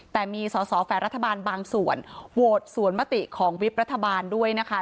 แต่มีสอสอฝ่ายรัฐบาลบางส่วนโหวตสวนมติของวิบรัฐบาลด้วยนะคะ